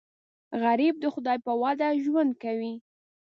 غریب د خدای په وعده ژوند کوي